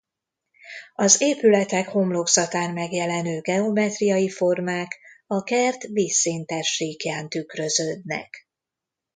Az épületek homlokzatán megjelenő geometriai formák a kert vízszintes síkján tükröződnek.